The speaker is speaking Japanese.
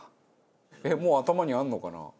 えっもう頭にあるのかな？